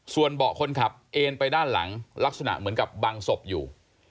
ส่วนเบาะคนขับเอ็นไปด้านหลังลักษณะเหมือนกับบังศพอยู่